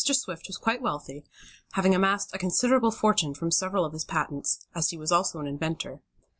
Swift was quite wealthy, having amassed a considerable fortune from several of his patents, as he was also an inventor.